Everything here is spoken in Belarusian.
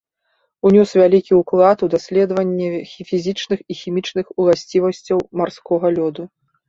Унёс вялікі ўклад у даследаванне фізічных і хімічных уласцівасцяў марскога лёду.